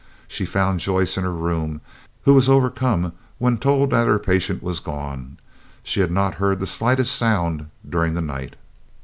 She found Joyce in her room, who was overcome when told that her patient was gone. She had not heard the slightest sound during the night.